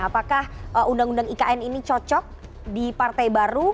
apakah undang undang ikn ini cocok di partai baru